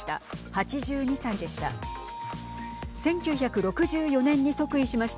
８２歳でした。